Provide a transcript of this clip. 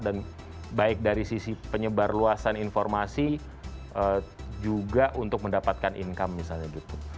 dan baik dari sisi penyebarluasan informasi juga untuk mendapatkan income misalnya gitu